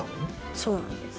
そうなんです。